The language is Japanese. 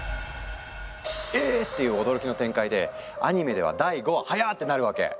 「え！」っていう驚きの展開でアニメでは第５話早ってなるわけ。